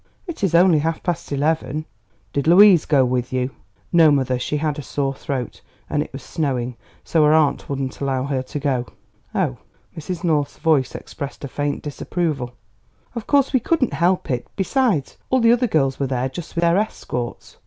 "It is only half past eleven." "Did Louise go with you?" "No, mother; she had a sore throat, and it was snowing; so her aunt wouldn't allow her to go." "Oh!" Mrs. North's voice expressed a faint disapproval. "Of course we couldn't help it; besides, all the other girls were there just with their escorts.